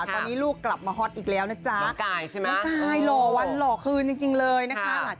ตอนนี้ลูกกลับมาฮอตอีกแล้วนะจ๊ะ